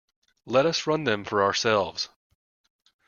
Let us run them for ourselves.